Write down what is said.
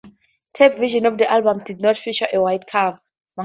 Tape versions of the album did not feature a white cover.